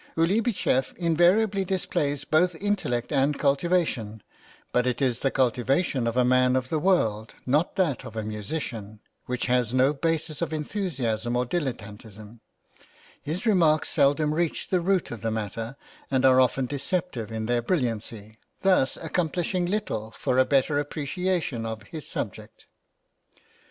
Uübicheff invariably displays both intellect and cultivation, but it is the cultivation of a man of the world, not that of a musician, which has no bias of enthusiasm or dilettantism; his remarks seldom reach the root of the matter, and are often deceptive in their brilliancy, thus accomplishing little for a better appreciation of his subject.